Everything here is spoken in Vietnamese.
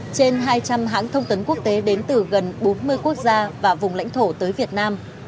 trên hai trăm linh hãng thông tấn quốc tế đến từ gần bốn mươi quốc gia và vùng lãnh thổ tới việt nam